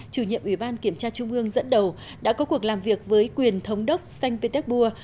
chủ nhiệm ủy ban kiểm tra trung ương dẫn đầu đã có cuộc làm việc với quyền thống đốc sanh pétéc bùa